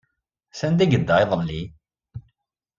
Sanda ay yedda iḍelli?